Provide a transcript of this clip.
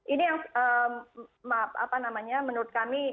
ini yang apa namanya menurut kami